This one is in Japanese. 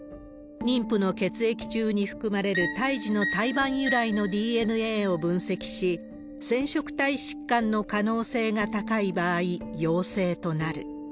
妊婦の血液中に含まれる胎児の胎盤由来のＤＮＡを分析し、染色体疾患の可能性が高い場合、陽性となる。